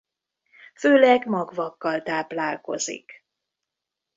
Főleg magvakkal táplálkozik.